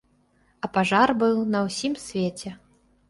А пажар быў на ўсім свеце.